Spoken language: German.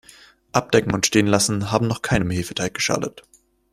Abdecken und stehen lassen haben noch keinem Hefeteig geschadet.